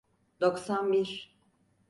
Doksan bir.